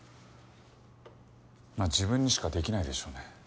まあ自分にしか出来ないでしょうね。